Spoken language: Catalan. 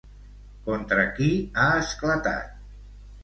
Contra qui ha esclatat?